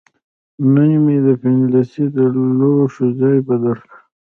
نن مې د پخلنځي د لوښو ځای بدل کړ.